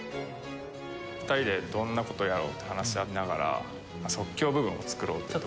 ２人でどんな事をやろう？って話し合いながら即興部分を作ろうというところで。